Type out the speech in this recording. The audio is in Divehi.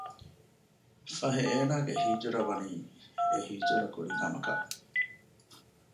ފަހެ އޭނާގެ ހިޖުރަ ވަނީ އެ ހިޖުރަ ކުރި ކަމަކަށް